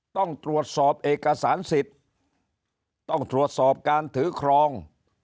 ต้องตรวจสอบเอกสารสิทธิ์ต้องตรวจสอบการถือครอง